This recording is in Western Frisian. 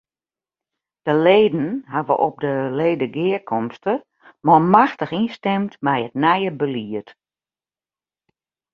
De leden hawwe op de ledegearkomste manmachtich ynstimd mei it nije belied.